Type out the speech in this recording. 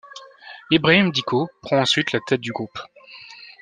Ibrahim Dicko prend ensuite la tête du groupe.